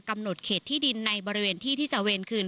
กำหนดเขตที่ดินในบริเวณที่ที่จะเวรคืน